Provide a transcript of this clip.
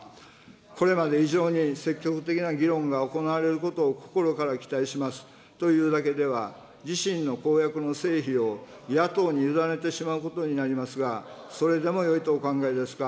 これまで以上に積極的な議論が行われることを心から期待しますというだけでは自身の公約の成否を野党に委ねてしまうことになりますが、それでもよいとお考えですか。